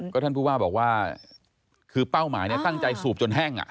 ก็ท่านผู้ว่าบอกว่าคือเป้าหมายตั้งใจสูบจนแห้ง